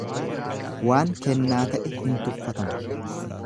Waan kennaa ta'e hin tuffatamu.